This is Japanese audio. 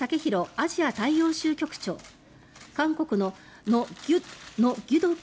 アジア大洋州局長韓国のノ・ギュドク